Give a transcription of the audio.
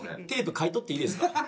テープ買い取っていいですか？